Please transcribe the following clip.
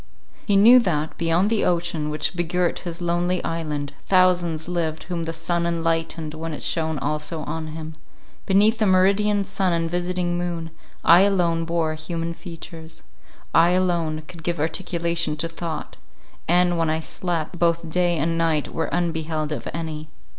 He knew that, beyond the ocean which begirt his lonely island, thousands lived whom the sun enlightened when it shone also on him: beneath the meridian sun and visiting moon, I alone bore human features; I alone could give articulation to thought; and, when I slept, both day and night were unbeheld of any.